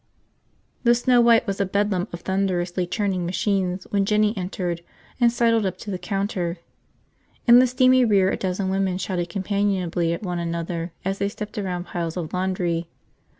The Snow White was a bedlam of thunderously churning machines when Jinny entered and sidled up to the counter. In the steamy rear a dozen women shouted companionably at one another as they stepped around piles of laundry.